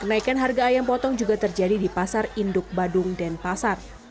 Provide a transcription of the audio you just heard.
kenaikan harga ayam potong juga terjadi di pasar induk badung dan pasar